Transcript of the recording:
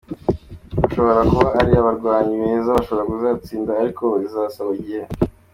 Bashobora kuba ari abarwanyi beza, bashobora kuzatsinda ariko bizabasaba igihe.